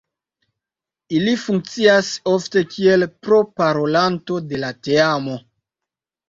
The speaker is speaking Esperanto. Ili funkcias ofte kiel proparolanto de la teamo.